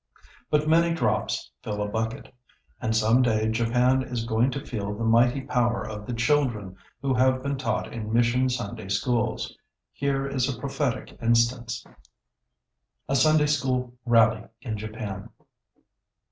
But many "drops" fill a bucket, and some day Japan is going to feel the mighty power of the children who have been taught in mission Sunday Schools. Here is a prophetic instance: [Sidenote: A Sunday School rally in Japan.